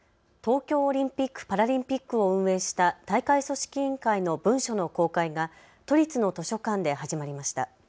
東京オリンピック・パラリンピックを運営した組織委員会の文書の公開が都立の図書館で始まりました。